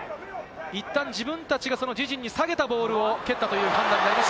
いったん自分たちが自陣へ下げたボールを蹴ったという判断だったと思います。